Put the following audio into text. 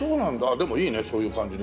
でもいいねそういう感じね。